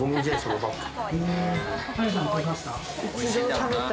果怜さん食べました？